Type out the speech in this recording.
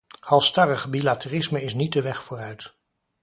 Halsstarrig bilateralisme is niet de weg vooruit.